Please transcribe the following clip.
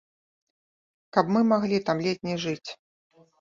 Каб мы маглі там ледзь не жыць.